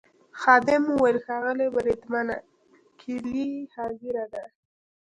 خادم وویل: ښاغلی بریدمنه کیلۍ حاضره ده.